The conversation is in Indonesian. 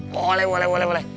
boleh boleh boleh